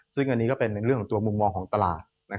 ซึ่งอันนี้ก็เป็นในเรื่องของตัวมุมมองของตลาด